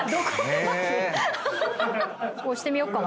押してみようかな。